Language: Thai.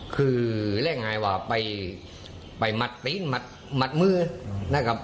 คือเรียกง่ายว่าไปหมัดตีนหมัดมือนะครับ